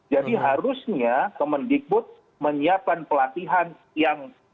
jadi harusnya kemendikbud menyiapkan pelatihan yang